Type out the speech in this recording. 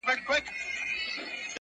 او جمال دا جلا او بیل ډولونه